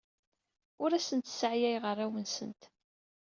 Ur asent-sseɛyayeɣ arraw-nsent.